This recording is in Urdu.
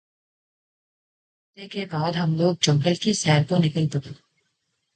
ناشتے کے بعد ہم لوگ جنگل کی سیر کو نکل پڑے